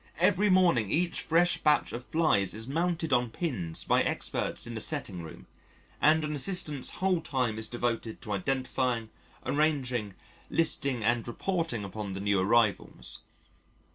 Every morning each fresh batch of flies is mounted on pins by experts in the Setting Room, and an Assistant's whole time is devoted to identifying, arranging, listing and reporting upon the new arrivals.